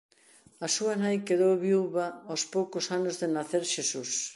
A súa nai quedou viúva aos poucos anos de nacer Xesús.